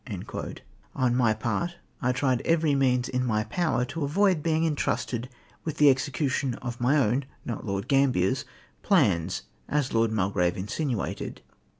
119 my part, I tried every means in my power to avoid being intrusted with the execution of my own — not Lord Gambier's, — plans as Lord Mulgrave insinuated.